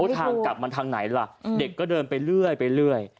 ทางกลับมาทางไหนล่ะเด็กก็เดินไปเรื่อย